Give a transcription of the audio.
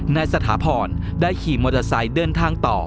นายสถาพรได้ขี่มอเตอร์ไซค์เดินทางต่อ